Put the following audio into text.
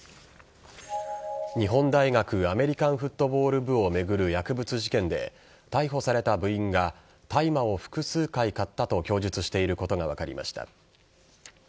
日本大学アメリカンフットボール部を巡る薬物事件で逮捕された部員が大麻を複数回買ったと供述していることが分かりました。